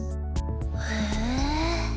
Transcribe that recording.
へえ。